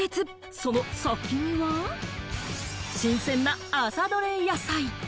その先には、新鮮な朝どれ野菜。